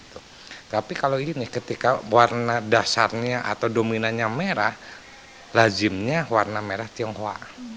tapi kalau ini ketika warna dasarnya atau dominannya merah lazimnya warna merah tionghoa